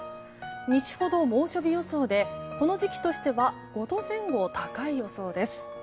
西ほど猛暑日予想でこの時期としては５度前後高い予想です。